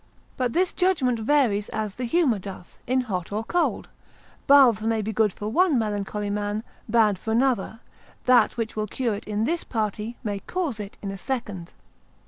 But this judgment varies as the humour doth, in hot or cold: baths may be good for one melancholy man, bad for another; that which will cure it in this party, may cause it in a second.